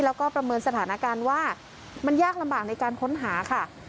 แล้วก็ประเมินสถานการณ์ว่ามันยากลำบากในการค้นหาค่ะ